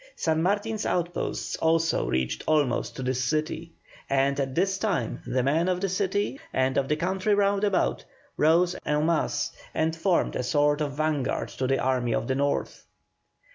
San Martin's outposts also reached almost to this city, and at this time the men of the city and of the country round about, rose en masse and formed a sort of vanguard to the Army of the North.